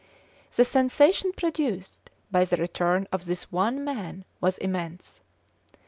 The sensation produced by the return of this one man was immense.